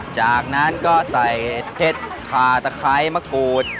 จากนั้นก็ใส่เพชรคาตะไคร้มะกรูด